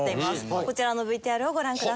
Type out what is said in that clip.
こちらのＶＴＲをご覧ください。